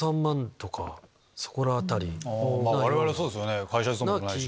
我々そうですよね会社勤めでもないし。